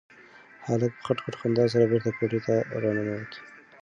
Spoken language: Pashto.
هلک په خټ خټ خندا سره بېرته کوټې ته راننوت.